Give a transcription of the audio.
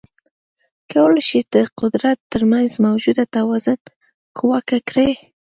کولای شي د قدرت ترمنځ موجوده توازن کاواکه کړي.